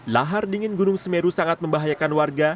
lahar dingin gunung semeru sangat membahayakan warga